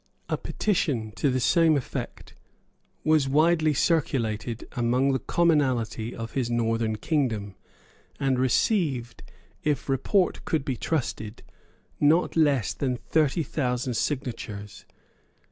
A petition to the same effect was widely circulated among the commonalty of his Northern kingdom, and received, if report could be trusted, not less than thirty thousand signatures.